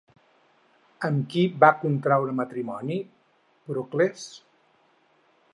Amb qui va contreure matrimoni, Procles?